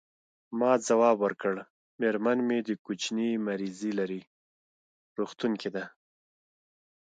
ما ځواب ورکړ: میرمن مې د کوچني مریضي لري، روغتون کې ده.